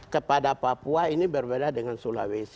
kepada papua ini berbeda dengan sulawesi